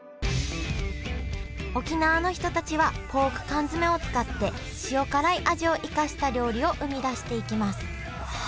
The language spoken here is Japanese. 沖縄の人たちはポーク缶詰を使って塩辛い味を生かした料理を生み出していきます。